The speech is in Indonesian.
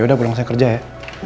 yaudah gue langsung kerja ya